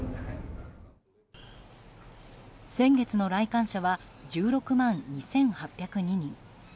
先月の来館者は１６万２８０２人。